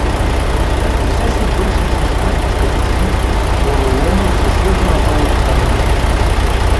Като все се бършеше с кърпичката си, Гороломов заслиза надолу в тъмнината.